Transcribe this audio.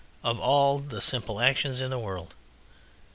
Of all the simple actions in the world!